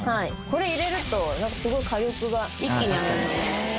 これ入れるとすごい火力が一気に上がるので。